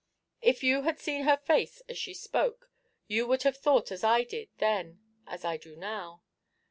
If you had seen her face as she spoke, you would have thought as I did then as I do now.